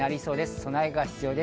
備えが必要です。